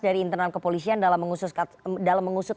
dari internal kepolisian dalam mengusut